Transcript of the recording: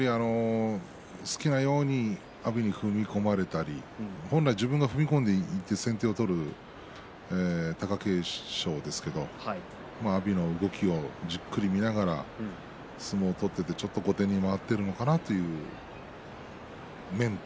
好きなように阿炎に踏み込まれたり本来、自分が踏み込んで先手を取る貴景勝ですけれど阿炎の動きをじっくり見ながら相撲を取っていてちょっと後手に回っているのかなという、そういう面と